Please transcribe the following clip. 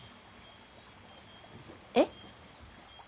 えっ？